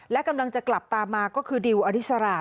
และกำลังจะกลับตามมาก็คือดิวอดิสรา